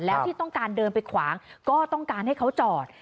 แล้วที่ต้องการเดินไปขวางก็ต้องการให้เขาจอด